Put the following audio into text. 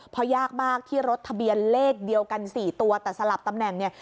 เพราะยากมากที่รถทะเบียนเลขเดียวกัน๔ตัวแต่สลับตำแหน่งเนี่ย